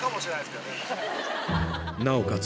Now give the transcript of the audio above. なおかつ